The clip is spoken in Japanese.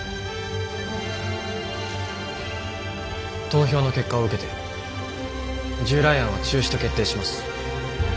投票の結果を受けて従来案は中止と決定します。